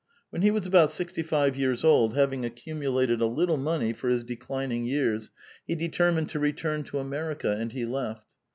When he was about sixty live years old, having accumulated a little money for his declining years, he determined to return to America, and he left.